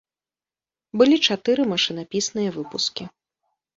Былі чатыры машынапісныя выпускі.